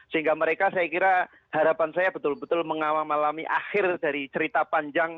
sehingga mereka saya kira harapan saya betul betul mengamalami akhir dari cerita panjang